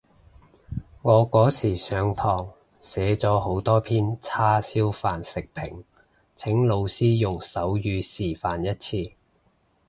我嗰時上堂寫咗好多篇叉燒飯食評，請老師用手語示範一次